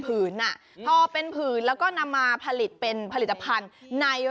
หรือเคลี่ยมข้ามันเป็นนิมิ่อูนย์